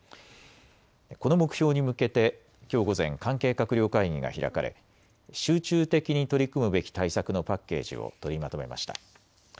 この目標に向けてきょう午前、関係閣僚会議が開かれ集中的に取り組むべき対策のパッケージを取りまとめました。